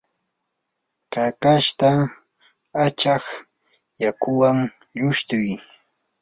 kakashta achaq yakuwan lushtuy.